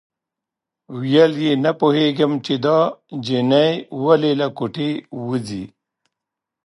ویل یې نه پوهېږم چې دا چینی ولې له کوټې وځي.